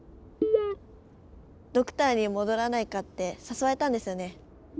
ドクターに戻らないかって誘われたんですよね？